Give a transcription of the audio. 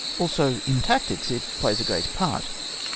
Also in tactics it plays a great part.